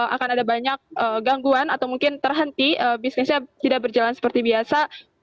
akan ada banyak gangguan atau mungkin terhenti bisnisnya tidak berjalan seperti biasa